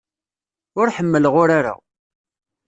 Ur ḥemmleɣ urar-a.